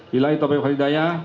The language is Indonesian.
bila itu saya berhati hati